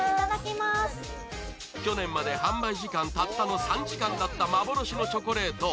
去年まで販売時間たったの３時間だった幻のチョコレート